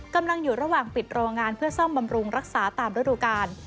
กำลังอยู่ระหว่างปิดโรงงานเพื่อซ่อมบำรุงรักษาตามฤดูกาล